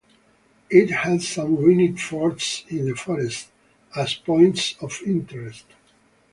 It has some ruined forts in the forest, as points of interest.